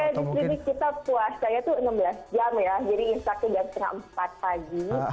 di sini kita puasanya tuh enam belas jam ya jadi instaknya jam empat pagi